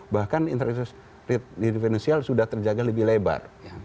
bahkan interest rate referensial sudah terjaga lebih lebar